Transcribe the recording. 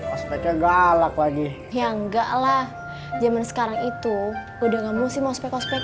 ospeknya galak lagi ya enggak lah zaman sekarang itu udah gak mau sih mau spek ospek